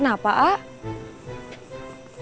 siapa dia ini